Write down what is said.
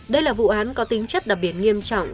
đây là vụ án có tính chất đặc biệt nghiêm trọng